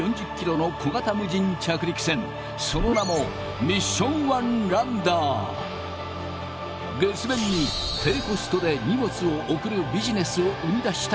その名も月面に低コストで荷物を送るビジネスを生み出したいと開発しました。